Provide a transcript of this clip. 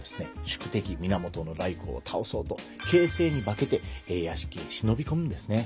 宿敵源頼光を倒そうと傾城に化けて屋敷へ忍び込むんですね。